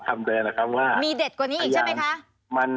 คำแดงนะครับว่ามีเด็ดกว่านี้อีกใช่ไหมคะ